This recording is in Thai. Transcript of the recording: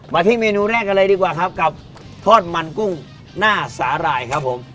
ที่เมนูแรกกันเลยดีกว่าครับกับทอดมันกุ้งหน้าสาหร่ายครับผม